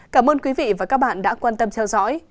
cảm ơn quý vị và các bạn đã quan tâm theo dõi